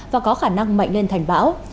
và có khả năng mạnh lên thành bão